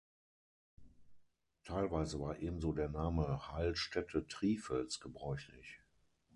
Teilweise war ebenso der Name „Heilstätte Trifels“ gebräuchlich.